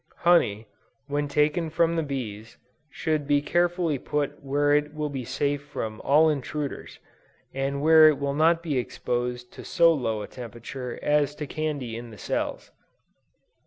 Honey, when taken from the bees, should be carefully put where it will be safe from all intruders, and where it will not be exposed to so low a temperature as to candy in the cells.